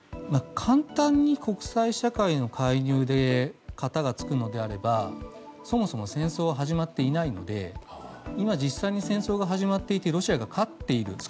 簡単に国際社会の介入で片が付くのであればそもそも戦争は始まっていないので今、実際に戦争が始まっていてロシアが勝っている。